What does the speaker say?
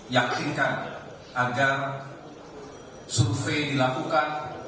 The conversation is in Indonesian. yakinkan agar survei dilakukan